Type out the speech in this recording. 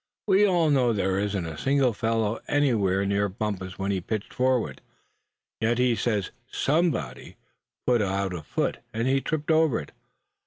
We all know that there wasn't a single fellow anywhere near Bumpus when he pitched forward. Yet he says somebody put out a foot, and he tripped over it.